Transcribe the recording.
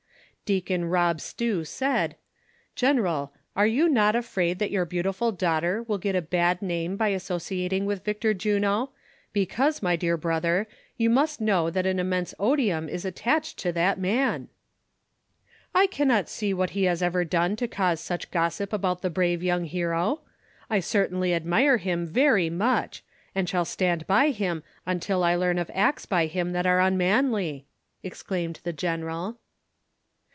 Deacon Rob Stew said :" General, are you not afraid that your beautiful daughter will get a bad name by asso ciating with Victor Juno, because, my dear brother, you must know that an immense odium is attached to that man ?" 58 THE SOCIAL WAK OF 1900; OR, " I cannot see what he has ever done to cause such gos sip about the brave young hero ; I certainly admire liim very much, and shall stand by him until I learn of acts by him that are unmanly," exclaimed the general.